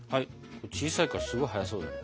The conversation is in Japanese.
小さいからすごい早そうだね。